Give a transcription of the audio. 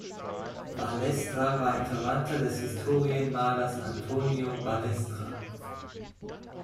Balestra war ein Verwandter des Historienmalers Antonio Balestra.